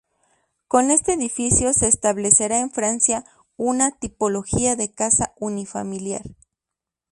Con este edificio se establecerá en Francia una tipología de casa unifamiliar.